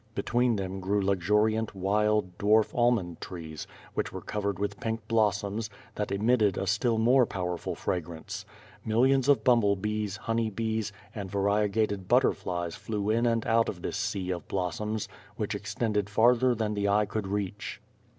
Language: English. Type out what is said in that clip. Between them grew luxuriant wild, dwarf almond trees which were covered with pink blossoms, that emitted a still more powerful fragrance. Millions of bumble bees, honey bees and variegated butterflies flew in and out in this sea of blossoms, which extended farther than the eye could reach.